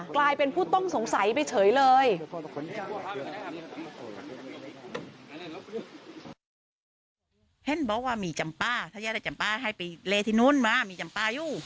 กลายเป็นผู้ต้องสงสัยไปเฉยเลย